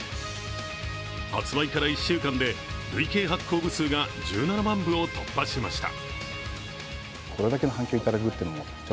発売から１週間で累計発行部数が１７万部を突破しました。